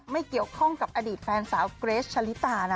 ไม่เกี่ยวข้องกับอดีตแฟนสาวเกรชชะลิตานะ